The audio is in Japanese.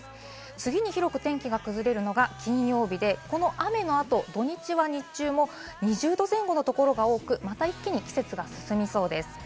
次に広く天気が崩れるのが金曜日でこの雨のあと、土日は日中も２０℃前後のところが多く、また一気に季節が進みそうです。